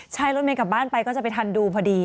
ใช่รถเมย์กลับบ้านไปก็จะไปทันดูพอดี